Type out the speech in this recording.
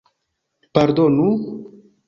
Pardonu?